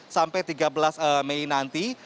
sampai tiga belas mei nanti